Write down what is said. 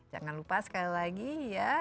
jangan lupa sekali lagi ya